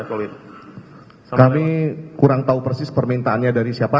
kami kurang tahu persis permintaannya dari siapa